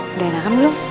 sudah enakan belum